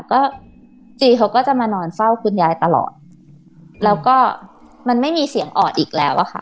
ก็จีเขาก็จะมานอนเฝ้าคุณยายตลอดแล้วก็มันไม่มีเสียงออดอีกแล้วอะค่ะ